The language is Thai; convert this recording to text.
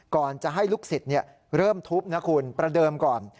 ก่อนจะให้ลูกศิษย์เริ่มทุบนะคุณประเดิมก่อน